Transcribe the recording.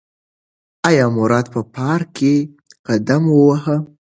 ایا مراد په پار ک کې قدم وواهه؟